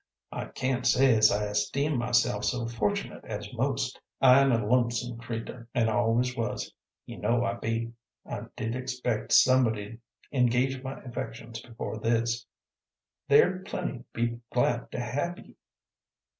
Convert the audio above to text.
"I can't say as I esteem myself so fortunate as most. I 'in a lonesome creatur', an' always was; you know I be. I did expect somebody 'd engage my affections before this." "There, plenty 'd be glad to have ye."